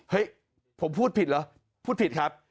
เฮ้ยผมพูดผิดเหรอพูดผิดครับ